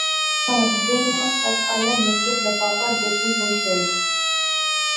ساجدے ناں خط آیا، نصرت لفافہ دیکھی خوش ہوئی